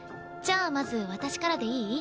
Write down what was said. じゃあまず私からでいい？